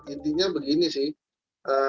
intinya begini sih